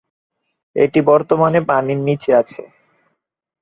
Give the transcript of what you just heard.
এটি বর্তমানে পানির নিচে আছে।